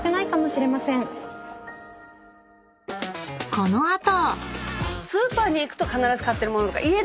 ［この後］